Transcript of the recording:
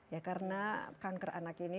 ya karena kanker anak ini